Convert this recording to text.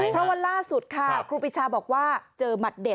เพราะวันล่าสุดค่ะครูปีชาบอกว่าเจอหมัดเด็ด